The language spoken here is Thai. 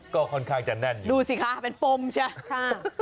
ก็ค่อนข้างจะแน่นดูสิคะเป็นปมใช่ค่ะ